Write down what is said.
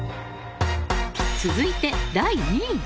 続いて、第２位。